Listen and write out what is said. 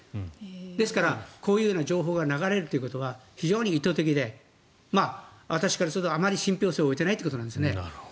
ですから、こういう情報が流れるということは非常に意図的で私からするとあまり信ぴょう性を持てないということなんですね。